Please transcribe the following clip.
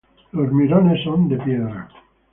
Los mirones son de piedra.